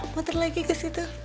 motor lagi ke situ